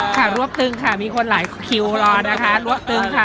รวบตึงค่ะมีคนหลายคิวรอนะคะรวบตึงค่ะ